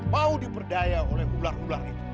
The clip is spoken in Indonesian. mau diperdaya oleh ular ular itu